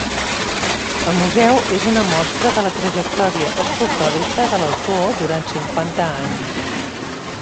El museu és una mostra de la trajectòria escultòrica de l'autor durant cinquanta anys.